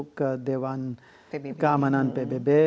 masuk ke dewan keamanan pbb